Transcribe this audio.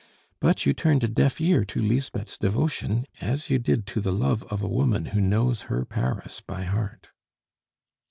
But you turned a deaf ear to Lisbeth's devotion, as you did to the love of a woman who knows her Paris by heart."